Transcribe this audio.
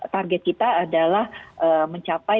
target kita adalah mencapai